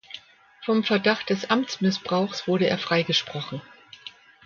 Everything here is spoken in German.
Vom Verdacht des Amtsmissbrauchs wurde er freigesprochen.